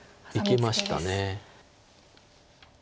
いきました。